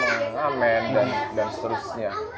mereka mengamen dan seterusnya